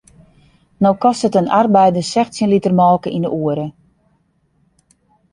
No kostet in arbeider sechstjin liter molke yn de oere.